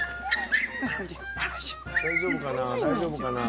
大丈夫かな？